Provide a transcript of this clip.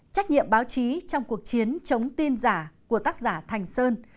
trách nhiệm báo chí trong cuộc chiến chống tin giả của tác giả thành sơn